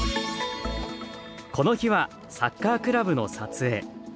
この日はサッカークラブの撮影。